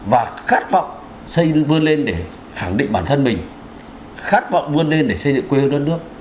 và khát vọng xây vươn lên để khẳng định bản thân mình khát vọng vươn lên để xây dựng quê hương đất nước